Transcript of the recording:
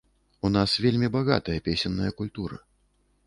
У нас вельмі багатая песенная культура.